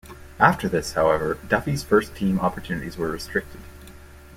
After this, however, Duffy's first team opportunities were restricted.